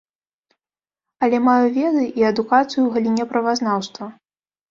Але маю веды і адукацыю ў галіне правазнаўства.